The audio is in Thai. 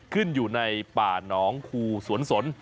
ขึ้นอยู่ในป่าน้องคูสวนสน